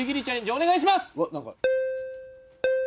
お願いします！